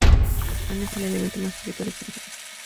La solana es el elemento más típico de esta construcción.